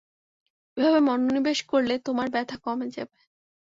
এভাবে মনোনিবেশ করলে তোমার ব্যাথা কমে যাবে।